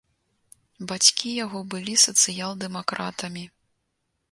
Бацькі яго былі сацыял-дэмакратамі.